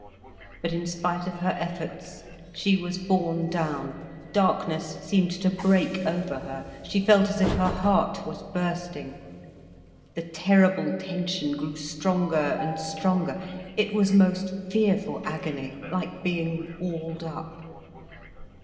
But in spite of her efforts she was borne down, darkness seemed to break over her, she felt as if her heart was bursting. The terrible tension grew stronger and stronger, it was most fearful agony, like being walled up.